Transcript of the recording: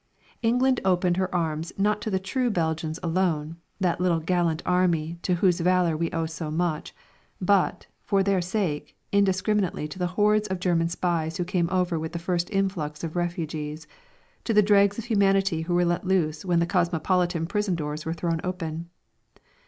England opened her arms not to the true Belgians alone, that little gallant army to whose valour we owe so much, but, for their sake, indiscriminately to the hordes of German spies who came over with the first influx of refugees, to the dregs of humanity who were let loose when the cosmopolitan prison doors were thrown open.